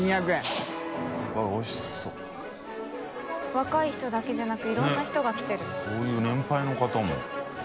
若い人だけじゃなくいろんな人が来てる。